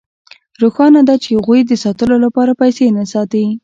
روښانه ده چې هغوی د ساتلو لپاره پیسې نه ساتي